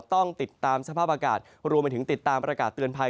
ต้องติดตามสภาพอากาศรวมมาถึงติดตามอากาศเเตินไพย